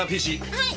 はい。